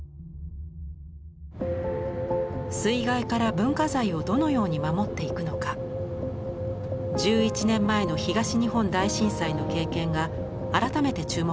水害から文化財をどのように守っていくのか１１年前の東日本大震災の経験が改めて注目されています。